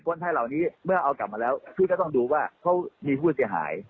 คนไทยเหล่านี้เมื่อเอากลับมาแล้วพี่ก็ต้องดูว่าเขามีผู้เสียหาย